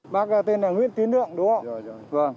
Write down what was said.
bác tên là nguyễn tiến đượng đúng không